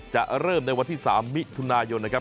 จะเริ่มในวันที่๓มิถุนายนนะครับ